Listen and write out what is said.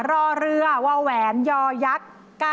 รอเรือวาวแหวนยอยักษ์๙๙